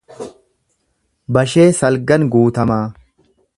Bashee Salgan Guutamaa